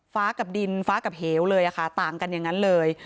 กับดินฟ้ากับเหวเลยค่ะต่างกันอย่างนั้นเลย